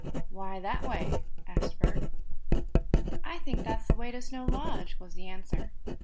"Why, that way?" asked Bert. "I think that's the way to Snow Lodge," was the answer.